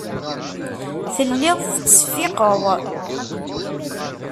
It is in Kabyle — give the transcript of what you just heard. Telliḍ tettseffiqeḍ.